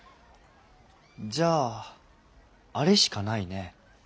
じゃああれしかないね